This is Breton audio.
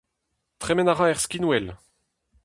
Tremen a ra er skinwel !